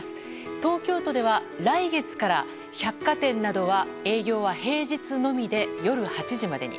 東京都では来月から百貨店などは営業は平日のみで夜８時までに。